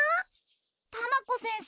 たまこ先生